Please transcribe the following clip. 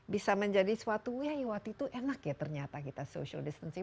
bisa menjadi sesuatu yew waktu itu enak ya ternyata kita social distancing